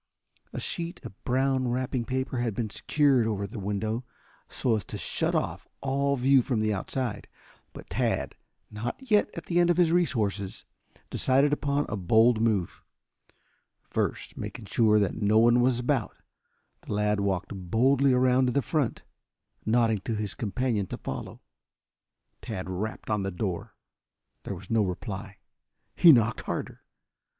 A sheet of brown wrapping paper had been secured over the window so as to shut off all view from the outside. But Tad, not yet at the end of his resources, decided upon a bold move. First making sure that no one was about, the lad walked boldly around to the front, nodding to his companion to follow. Tad rapped on the door. There was no reply. He knocked harder.